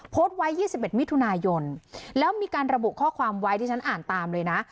โพสต์ไว้๒๑มิถุนายนแล้วมีการระบุข้อความไว้ที่ฉันอ่านตามเลยนะ